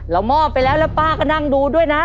มอบไปแล้วแล้วป้าก็นั่งดูด้วยนะ